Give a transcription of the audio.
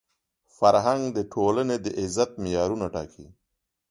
فرهنګ د ټولني د عزت معیارونه ټاکي.